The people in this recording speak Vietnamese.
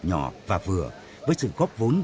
nhỏ và vừa với sự góp vốn